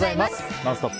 「ノンストップ！」